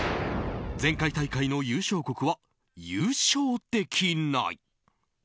前回大会の優勝国は優勝できない。